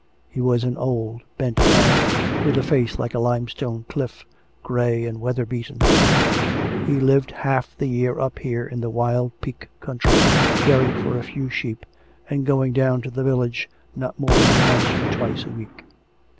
He was an old, bent man, with a face like a limestone cliff, grey and weather beaten; he lived half the year up here in the wild Peak country, caring for a few sheep, and going down to the village not more than once or twice a week.